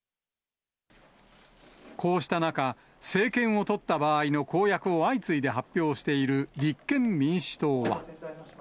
こうした中、政権を取った場合の公約を相次いで発表している立憲民主党は。